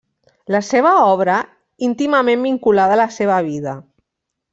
La seva obra íntimament vinculada a la seva vida.